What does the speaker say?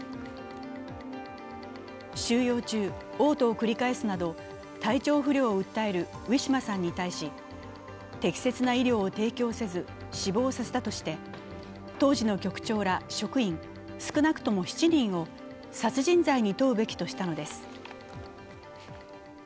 収容中、おう吐を繰り返すなど体調不良を訴えるウィシュマさんに対し適切な医療を提供せず死亡させたとして当時の局長ら職員少なくとも７人を殺人罪に問うべきとしたのです。